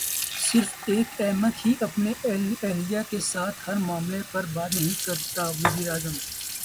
صرف ایک احمق ہی اپنی اہلیہ کے ساتھ ہر معاملے پر بات نہیں کرتا وزیراعظم